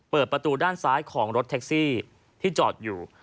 เปิดประตูด้านซ้ายของรถแท็กซี่ที่จอดอยู่